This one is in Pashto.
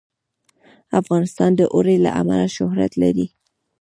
افغانستان د اوړي له امله شهرت لري.